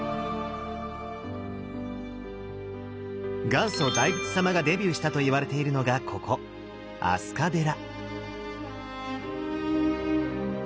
元祖大仏様がデビューしたといわれているのがここ飛鳥寺。